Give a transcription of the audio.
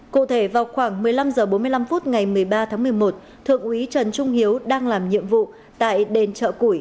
cụ thể vào khoảng một mươi năm h bốn mươi năm phút ngày một mươi ba tháng một mươi một thượng úy trần trung hiếu đang làm nhiệm vụ tại đền chợ củi